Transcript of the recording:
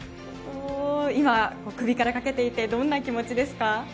今、首からかけていてどんな気持ちですか？